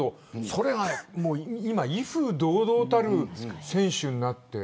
それが今は威風堂々たる選手になって。